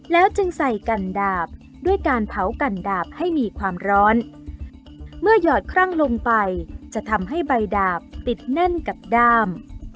แล้วจึงใส่กันดาบด้วยการเผากันดาบให้มีความร้อนเมื่อหยอดครั่งลงไปจะทำให้ใบดาบติดแน่นกับด้าม